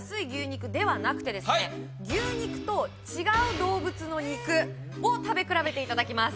牛肉と違う動物の肉を食べ比べていただきます